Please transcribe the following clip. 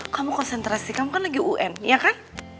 kamu konsentrasi kamu kan lagi un ya kan